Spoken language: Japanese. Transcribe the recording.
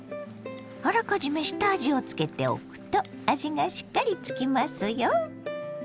あらかじめ下味をつけておくと味がしっかりつきますよ。